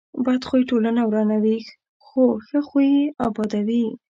بد خوی ټولنه ورانوي، خو ښه اخلاق یې ابادوي.